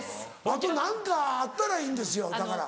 あと何かあったらいいんですよだから。